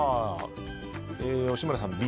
吉村さん、Ｂ。